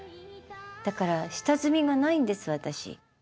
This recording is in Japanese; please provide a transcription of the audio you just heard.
だから下積みがないんです私。